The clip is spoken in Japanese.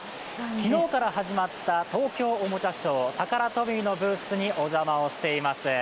昨日から始まった東京おもちゃショータカラトミーのブースにお邪魔をしています。